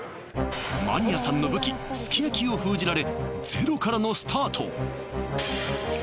マニアさんの武器すき焼きを封じられゼロからのスタート